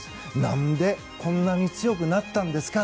何で、こんなに強くなったんですか？